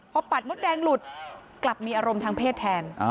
พอปัดมดแดงหลุดกลับมีอารมณ์ทางเพศแทน